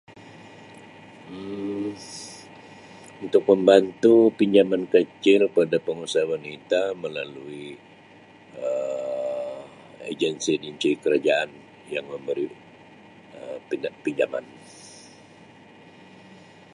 Um s-untuk pembantu pinjaman kecil pada pengusaha wanita melalui Um agensi-agenci kerajaan yang memberi Um pinja-pinjaman.